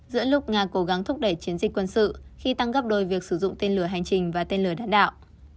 giữa lúc nga cố gắng thúc đẩy chiến dịch quân sự khi tăng gấp đôi việc sử dụng tên lửa hành trình và tên lửa đạn đạo